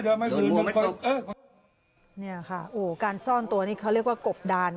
เดี๋ยวเออเนี่ยค่ะโอ้การซ่อนตัวนี้เขาเรียกว่ากบดาน